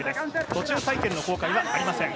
途中採点の公開はありません。